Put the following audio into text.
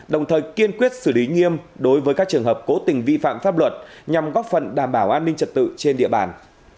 đồng thời kiên quyết xử lý nghiêm đối với các trường hợp cố tình vi phạm pháp luật nhằm góp phần đảm bảo an ninh trật tự trên địa bàn